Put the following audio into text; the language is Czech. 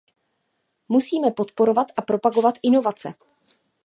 Musíme podporovat a propagovat inovace.